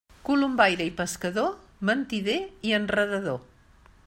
Colombaire i pescador, mentider i enredador.